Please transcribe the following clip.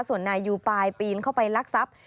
ส่วนนายยูปายปีนเข้าไปลักทรัพย์